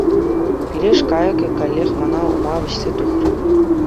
Пилеш кайӑкӗ каллех ман ума вӗҫсе тухрӗ.